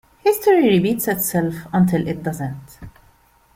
History repeats itself until it doesn't.